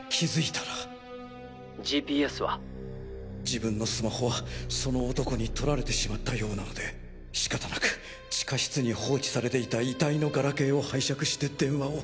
自分のスマホはその男に取られてしまったようなので仕方なく地下室に放置されていた遺体のガラケーを拝借して電話を。